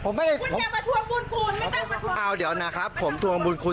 งั้นก็ก็อยากมาทุองบูญคุณ